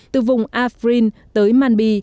từ vùng afrin tới manbi